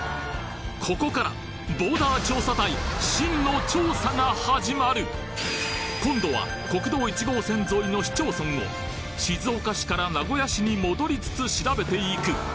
ここからボーダー調査隊今度は国道１号線沿いの市町村を静岡市から名古屋市に戻りつつ調べていく